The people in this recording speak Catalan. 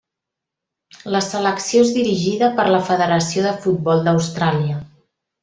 La selecció és dirigida per la Federació de Futbol d'Austràlia.